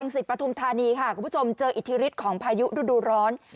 สิทธิ์ปฐุมธานีค่ะคุณผู้ชมเจออิทธิฤทธิ์ของพายุฤดูร้อน